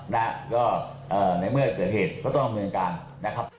แล้วก็ในเมื่อเกิดเหตุก็ต้องทำงานการนะครับ